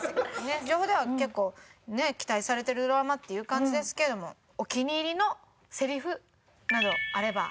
情報では結構ね期待されてるドラマっていう感じですけどもお気に入りのせりふなどあれば。